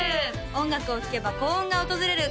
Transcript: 音楽を聴けば幸運が訪れる